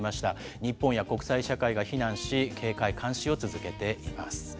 日本や国際社会が非難し、警戒・監視を続けています。